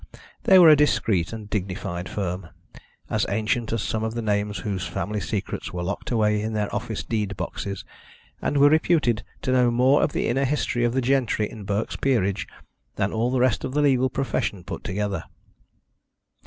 They were a discreet and dignified firm, as ancient as some of the names whose family secrets were locked away in their office deed boxes, and were reputed to know more of the inner history of the gentry in Burke's Peerage than all the rest of the legal profession put together.